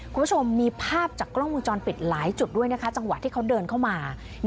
คุณผู้ชมมีภาพจากกล้องวงจรปิดหลายจุดด้วยนะคะจังหวะที่เขาเดินเข้ามา